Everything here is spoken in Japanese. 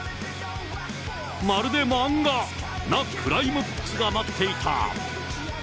まるで漫画！なクライマックスが待っていた。